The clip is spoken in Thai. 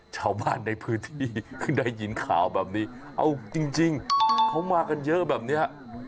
ชาวบ้านในพื้นที่คือได้ยินข่าวแบบนี้เอาจริงเขามากันเยอะแบบนี้